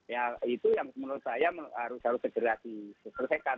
ya itu yang menurut saya harus harus digelar di sesekan